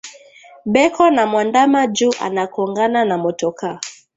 Beko na mwandama ju ana kongana na motoka